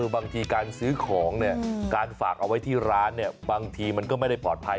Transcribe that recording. บางทีการซื้อของการฝากเอาไว้ที่ร้านบางทีมันก็ไม่ได้ปลอดภัย